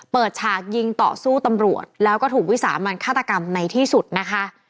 ฉากยิงต่อสู้ตำรวจแล้วก็ถูกวิสามันฆาตกรรมในที่สุดนะคะ